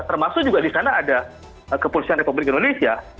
termasuk juga di sana ada kepolisian republik indonesia